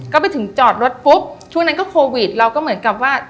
ก็ไปถึงจอดรถปุ๊บช่วงนั้นก็โควิดเราก็เหมือนกับว่า